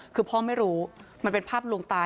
คือพ่อไม่รู้มันเป็นภาพลวงตาย